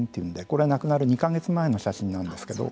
これは亡くなる２か月前の写真なんですけど。